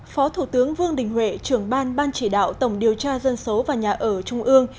phó thủ tướng vương đình huệ trưởng ban ban chỉ đạo tổng điều tra dân số và nhà ở trung ương